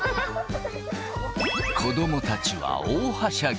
子どもたちは大はしゃぎ。